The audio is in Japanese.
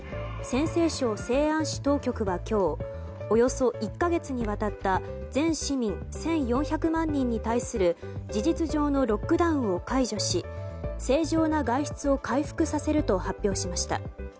陝西省西安市当局は今日およそ１か月にわたった全市民１４００万人に対する事実上のロックダウンを解除し正常な外出を回復させると発表しました。